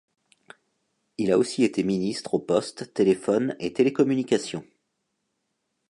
Il a aussi été ministre aux Postes, téléphones et télécommunications.